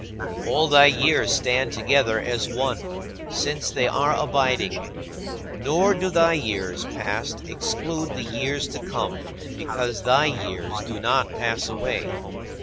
All thy years stand together as one, since they are abiding. Nor do thy years past exclude the years to come because thy years do not pass away.